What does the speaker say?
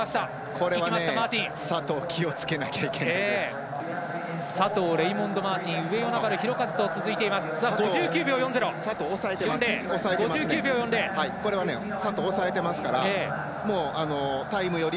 これは佐藤気をつけなきゃいけないです。